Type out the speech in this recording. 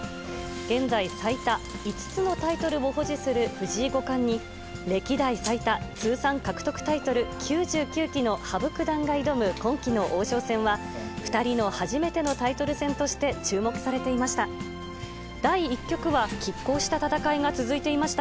現在、最多５つのタイトルを保持する藤井五冠に、歴代最多、通算獲得タイトル９９期の羽生九段が挑む今季の王将戦は、２人の初めてのタイトル戦として注目されていました。